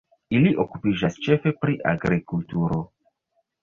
Ili okupiĝas ĉefe pri agrikulturo.